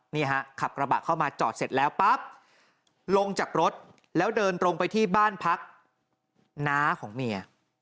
นี่ฮะขับกระบะเข้ามาจอดเสร็จแล้วปั๊บลงจากรถแล้วเดินตรงไปที่บ้านพักน้าของเมีย